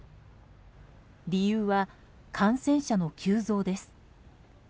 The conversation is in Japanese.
理由は、感染者の急増です。